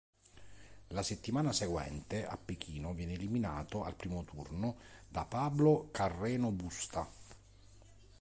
La settimana seguente a Pechino viene eliminato al primo turno da Pablo Carreño Busta.